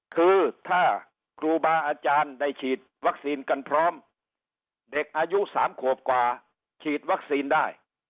คือถ้าครูบาอาจารย์ได้ฉีดวัคซีนกันพร้อมเด็กอายุ๓ขวบกว่าฉีดวัคซีนได้